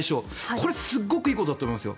これすっごくいいことだと思いますよ。